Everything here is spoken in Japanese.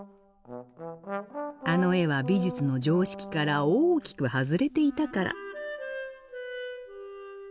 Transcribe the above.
あの絵は美術の常識から大きく外れていたから。